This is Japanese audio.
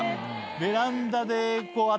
ベランダでこう。